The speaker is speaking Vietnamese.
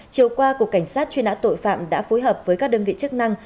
chiều qua cục cảnh sát chuyên án tội phạm đã phối hợp với các đơn vị chức năng